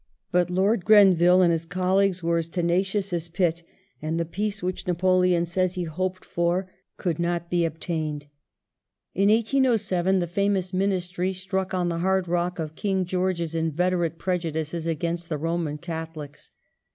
But Lord Grenville and his colleagues were as tenacious as Pitt, and the peace which Napoleon says he hoped for could not be obtained. In 1807 the famous Ministry struck on the hard rock of King George's inveterate prejudices against the Boman Catholics.